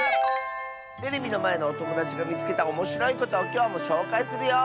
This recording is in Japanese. テレビのまえのおともだちがみつけたおもしろいことをきょうもしょうかいするよ！